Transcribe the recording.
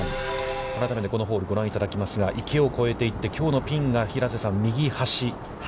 改めてこのホール、ご覧いただきますが、池を越えていって、きょうのピンが右端。